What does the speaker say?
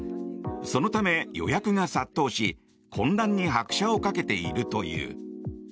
そのため予約が殺到し混乱に拍車をかけているという。